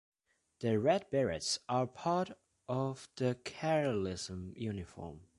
The red berets are part of the Carlist uniform.